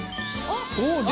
あっ！